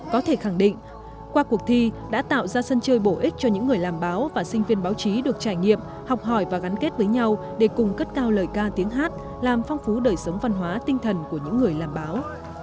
có thể khẳng định qua cuộc thi đã tạo ra sân chơi bổ ích cho những người làm báo và sinh viên báo chí được trải nghiệm học hỏi và gắn kết với nhau để cùng cất cao lời ca tiếng hát làm phong phú đời sống văn hóa tinh thần của những người làm báo